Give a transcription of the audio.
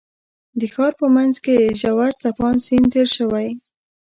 د ښار په منځ کې یې ژور څپاند سیند تېر شوی.